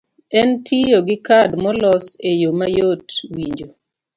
en tiyo gi kad molos e yo mayot winjo.